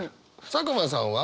佐久間さんは？